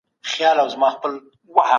تاسو له ښه ذهنیت سره ډیر صبر کوئ.